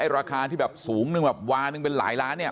ราคาที่แบบสูงนึงแบบวานึงเป็นหลายล้านเนี่ย